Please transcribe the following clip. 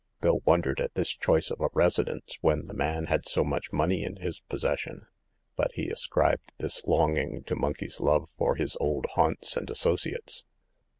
Bill won dered at this choice of a residence when the man had so much money in his possession ; but he ascribed this longing to Monkey's love for his old haunts and associates.